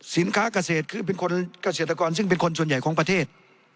เกษตรคือเป็นคนเกษตรกรซึ่งเป็นคนส่วนใหญ่ของประเทศ